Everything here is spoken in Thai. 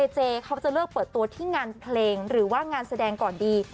เจเขาจะเลิกเปิดตัวที่งานเพลงหรือว่างานแสดงก่อนดี